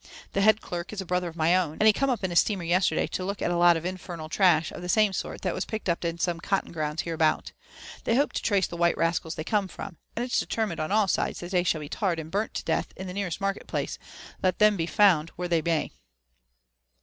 The head deik is a brother of my own, and he come up in a steamer yesterday to look at a lot of fntemal trash of the same sort that was picked up in some cotton grounds hereabouts. They hope to trace the white rascals they come from ; and it's determined on all sides that they shall be tarred and burnt to death in the nearest market place, let them be found where they may."